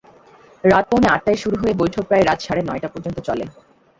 রাত পৌনে আটটায় শুরু হয়ে বৈঠক প্রায় রাত সাড়ে নয়টা পর্যন্ত চলে।